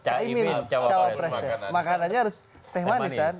cawa pres makanannya harus teh manis